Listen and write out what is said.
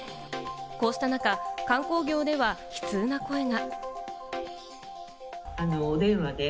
こうした中、観光業では悲痛な声が。